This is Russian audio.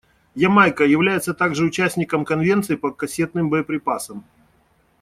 Ямайка является также участником Конвенции по кассетным боеприпасам.